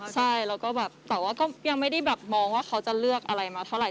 ใช่แล้วก็แบบแต่ว่าก็ยังไม่ได้แบบมองว่าเขาจะเลือกอะไรมาเท่าไห